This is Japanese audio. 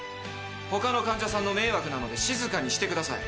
ほかの患者さんの迷惑なので静かにしてください。